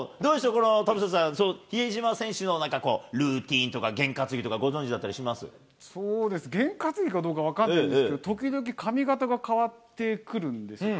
この、田臥さん、比江島選手のなんかこう、ルーティンとか験担ぎとか、そうですね、験担ぎかどうか分かんないんですけど、時々、髪形が変わってくるんですよね。